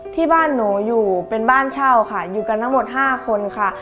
ที่บ้านหนูอยู่เป็นบ้านเช่าค่ะอยู่กันทั้งหมด๕คนค่ะ